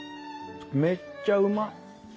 めっちゃうまっ！